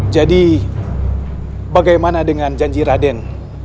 jadi bagaimana dengan janji raden